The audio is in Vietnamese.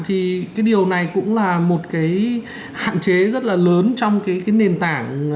thì cái điều này cũng là một cái hạn chế rất là lớn trong cái nền tảng